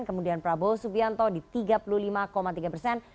kemudian prabowo subianto di tiga puluh lima tiga persen